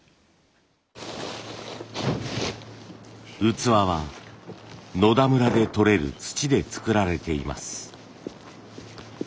器は野田村でとれる土で作られています。